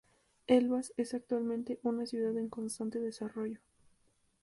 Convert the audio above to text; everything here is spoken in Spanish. Elvas es actualmente una ciudad en constante desarrollo.